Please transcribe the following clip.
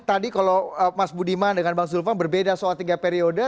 tadi kalau mas budiman dengan bang zulfan berbeda soal tiga periode